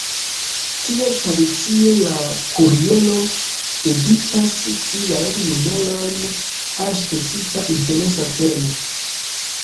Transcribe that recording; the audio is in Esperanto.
Kiel tradicie la Kuriero dediĉas siajn numerojn al specifa interesa temo.